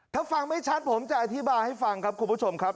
ถ้าฟังไม่ชัดผมจะอธิบายให้ฟังครับคุณผู้ชมครับ